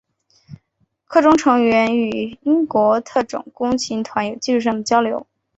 课中成员与英国特种空勤团有技术上的交流。